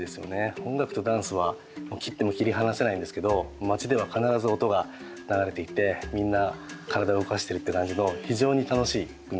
音楽とダンスは切っても切り離せないんですけど街では必ず音が流れていてみんな体を動かしてるって感じの非常に楽しい国です。